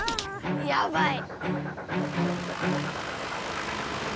やばい。